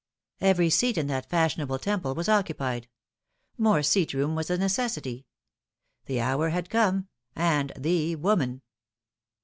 Every seat in that fashionable temple was occupied. More seat room was a necessity. The hour had come, and the woman.